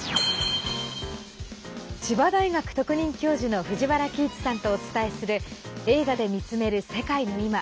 千葉大学特任教授の藤原帰一さんとお伝えする「映画で見つめる世界のいま」。